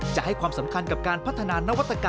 จะให้ความสำคัญกับการพัฒนานวัตกรรม